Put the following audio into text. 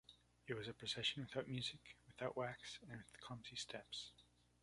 It was a procession without music, without wax and with clumsy steps.